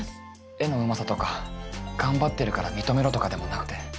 絵のうまさとか頑張ってるから認めろとかでもなくて。